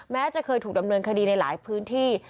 แม้จะเคยถูกดำเนินคดีในหลายพื้นที่